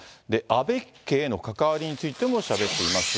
安倍家への関わりについてもしゃべっています。